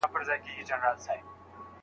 مشاهده تر تفکر غوره ده.